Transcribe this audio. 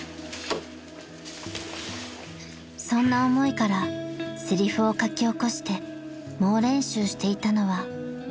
［そんな思いからせりふを書き起こして猛練習していたのは］